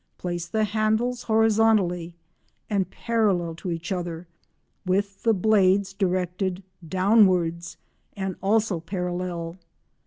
Place the handles horizontally and parallel to each other, with the blades directed downwards and also parallel.